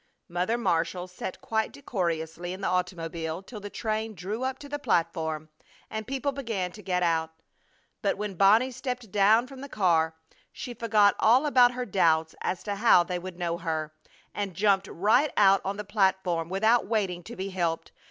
Mother Marshall sat quite decorously in the automobile till the train drew up to the platform and people began to get out. But when Bonnie stepped down from the car she forgot all about her doubts as to how they would know her, and jumped right out on the platform without waiting to be helped.